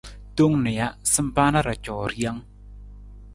Tong nija, sampaa na ra coo rijang.